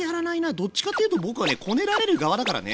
どっちかっていうと僕はねこねられる側だからね。